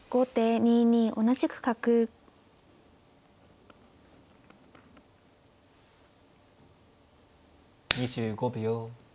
２５秒。